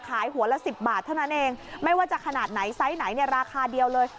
หัวละ๑๐บาทเท่านั้นเองไม่ว่าจะขนาดไหนไซส์ไหนเนี่ยราคาเดียวเลย